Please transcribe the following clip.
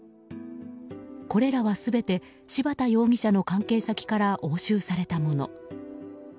これらは全て、柴田容疑者の関係先から押収されたもの。